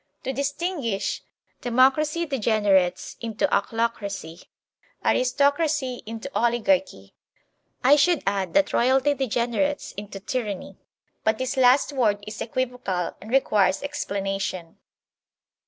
To distinguish, democracy degenerates into OCHLOCRACY, aristocracy into oligarchy; I should add that royalty degenerates into tyranny ; but this last word is equivocal and requires explanation.